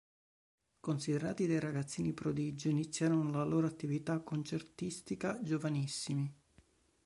Considerati dei ragazzini prodigio, iniziarono la loro attività concertistica giovanissimi.